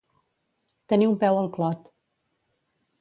Tenir un peu al clot.